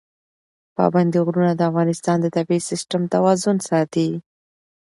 پابندي غرونه د افغانستان د طبعي سیسټم توازن ساتي.